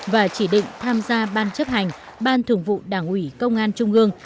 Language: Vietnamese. và chỉ định tham gia ban chấp hành ban thường vụ đảng ủy công an trung ương